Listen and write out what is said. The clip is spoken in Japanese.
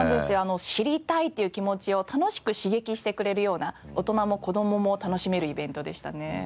「知りたい！」という気持ちを楽しく刺激してくれるような大人も子どもも楽しめるイベントでしたね。